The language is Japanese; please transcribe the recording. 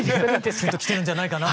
キュンときてるんじゃないかなと。